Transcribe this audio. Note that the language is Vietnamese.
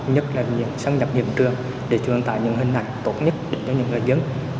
nhất là nhận sáng nhập nhiệm trường để truyền tải những hình ảnh tốt nhất đến với những người dân